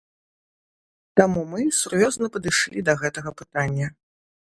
Таму мы сур'ёзна падышлі да гэтага пытання.